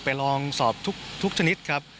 ไปลองสอบทุกชนิดครับ